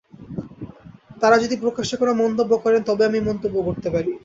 তাঁরা যদি প্রকাশ্যে কোনো মন্তব্য করেন, তবেই আমি মন্তব্য করতে পারি।